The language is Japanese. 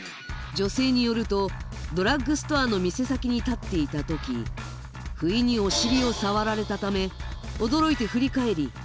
女性によるとドラッグストアの店先に立っていた時不意にお尻を触られたため驚いて振り返り